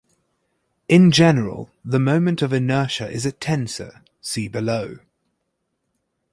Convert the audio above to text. In general, the moment of inertia is a tensor, see below.